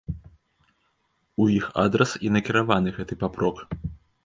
У іх адрас і накіраваны гэты папрок.